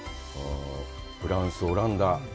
フランス、オランダ。